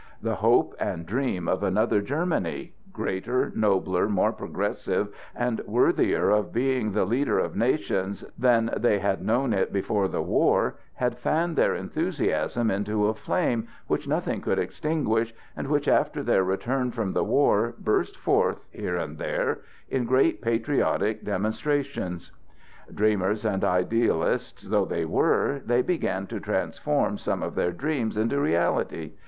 The hope and dream of another Germany, greater, nobler, more progressive and worthier of being the leader of nations than they had known it before the war, had fanned their enthusiasm into a flame which nothing could extinguish, and which after their return from the war burst forth, here and there, in great patriotic demonstrations. Dreamers and idealists though they were, they began to transform some of their dreams into reality.